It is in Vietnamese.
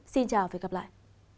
xin chào và hẹn gặp lại